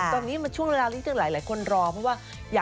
ตอนนี้มันช่วงเวลาที่หลายคนรอเพราะว่า